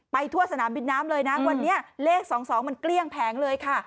ทั่วสนามบินน้ำเลยนะวันนี้เลข๒๒มันเกลี้ยงแผงเลยค่ะ